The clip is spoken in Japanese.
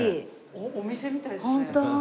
お店みたいですね。